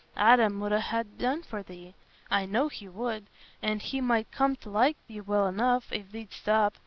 Adam 'ud ha' done for thee—I know he would—an' he might come t' like thee well enough, if thee'dst stop.